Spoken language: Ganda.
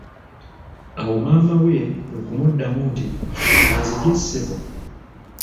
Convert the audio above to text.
Awo maama we kwe kumuddamu nti:"kanzigye ssebo"